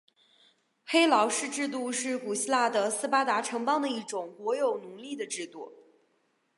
黑劳士制度是古希腊的斯巴达城邦的一种国有奴隶的制度。